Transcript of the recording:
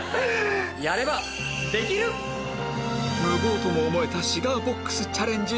無謀とも思えたシガーボックスチャレンジ